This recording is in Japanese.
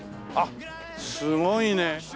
あっすごいね。